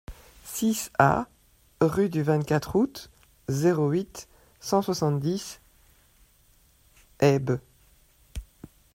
six A rue du vingt-quatre Août, zéro huit, cent soixante-dix, Haybes